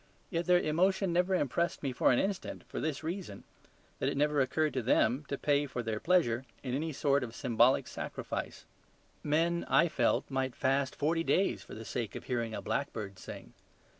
Yet their emotion never impressed me for an instant, for this reason, that it never occurred to them to pay for their pleasure in any sort of symbolic sacrifice. Men (I felt) might fast forty days for the sake of hearing a blackbird sing.